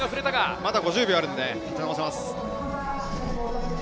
まだ５０秒あるので取り戻せます。